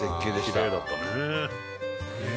「きれいだったね」